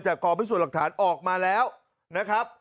กองพิสูจน์หลักฐานออกมาแล้วนะครับ